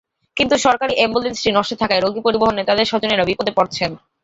কিন্তু সরকারি অ্যাম্বুলেন্সটি নষ্ট থাকায় রোগী পরিবহনে তাঁদের স্বজনেরা বিপদে পড়ছেন।